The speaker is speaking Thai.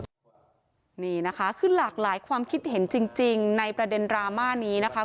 นี่นะคะคือหลากหลายความคิดเห็นจริงในประเด็นดราม่านี้นะคะ